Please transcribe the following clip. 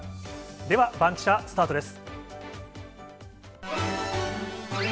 ではバンキシャ、スタートです。